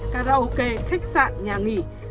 karaoke khách sạn nhà nghỉ